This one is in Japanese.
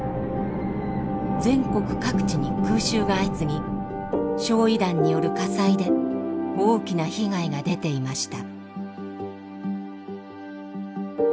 全国各地に空襲が相次ぎ焼夷弾による火災で大きな被害が出ていました。